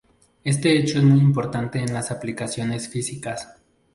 Este hecho es muy importante en las aplicaciones físicas.